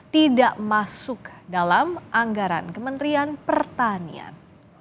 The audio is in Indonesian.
tidak masuk dalam anggaran kementerian pertanian